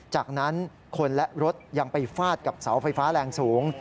จากนั้นคนและรถยังไปฟาดกับเสาไฟฟ้าแรงสูง